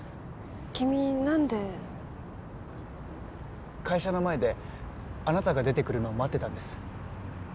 君何で会社の前であなたが出てくるのを待ってたんです